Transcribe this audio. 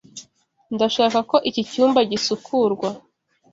Ndashaka ko iki cyumba gisukurwa.